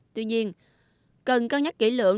tuy nhiên cần cân nhắc kỹ lượng